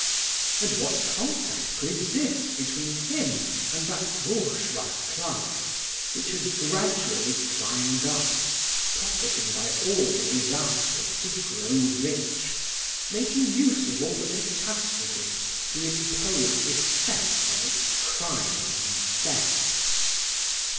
And what contact could exist between him and that bourgeois class which had gradually climbed up, profiting by all the disasters to grow rich, making use of all the catastrophes to impose respect on its crimes and thefts.